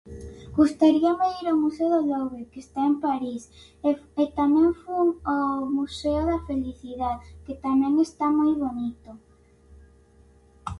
Gustaríame ir ao museo do Louvre que está en París e t- e tamén fun ao Museo da Felicidad, que tamén está moi bonito.